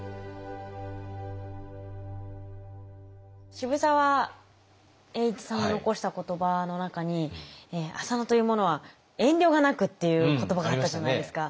渋沢栄一さんの残した言葉の中に「浅野という者は遠慮がなく」っていう言葉があったじゃないですか。